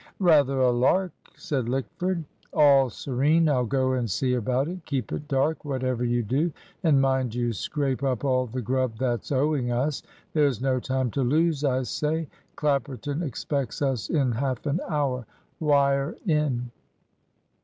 "Rather a lark," said Lickford. "All serene. I'll go and see about it. Keep it dark, whatever you do, and mind you scrape up all the grub that's owing us. There's no time to lose, I say; Clapperton expects us in half an hour. Wire in!"